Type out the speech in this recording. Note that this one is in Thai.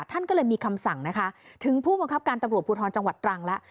ท่านก็เลยมีคำสั่งนะคะถึงผู้บังคับการตำรวจภูทรจังหวัดตรังแล้ว